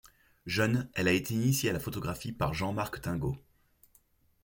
Jeune, elle a été initiée à la photographie par Jean-Marc Tingaud.